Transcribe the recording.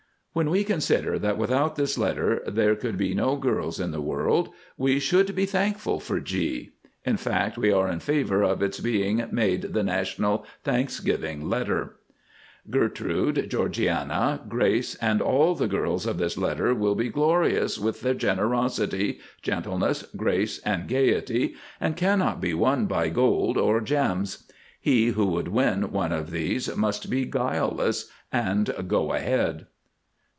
When we consider that without this letter there could be no girls in the world, we should be thankful for G; in fact we are in favor of its being made the National Thanksgiving Letter. Gertrude, Georgiana, Grace, and all the girls of this letter will be Glorious with their Generosity, Gentleness, Grace, and Gaiety, and cannot be won by Gold or Gems. He who would win one of these must be Guileless and Go ahead.